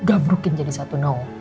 kita harus menyebrukin jadi satu